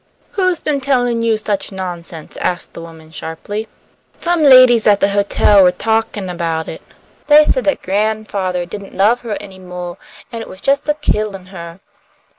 "Who's been tellin' you such nonsense?" asked the woman, sharply. "Some ladies at the hotel were talkin' about it. They said that gran'fathah didn't love her any moah, an' it was just a killin' her."